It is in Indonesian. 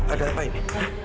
ada apa ini